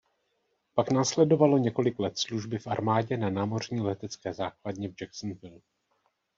Pak následovalo několik let služby v armádě na námořní letecké základně v Jacksonville.